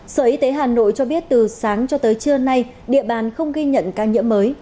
sở y tế hà nội cho biết từ sáng cho tới trưa nay địa bàn không ghi nhận ca nhiễm mới